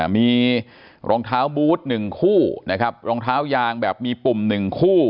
มีรองเท้าบูตหนึ่งคู่นะครับรองเท้ายางแบบมีปุ่มหนึ่งคู่